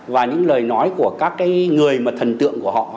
và những lời nói của các người thần tượng của họ